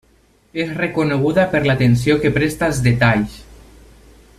És reconeguda per l'atenció que presta als detalls.